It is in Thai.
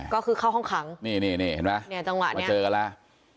ก็คือเข้าห้องขังนี่เห็นไหมมาเจอกันแล้ว